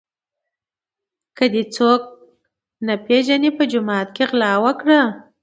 که څوک دي نه پیژني په جومات کي غلا وکړه.